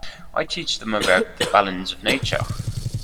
I teach them about the balance of nature.